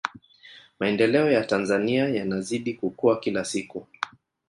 maendeleo ya tanzania yanazidi kukua kila siku